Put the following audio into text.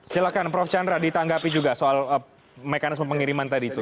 silahkan prof chandra ditanggapi juga soal mekanisme pengiriman tadi itu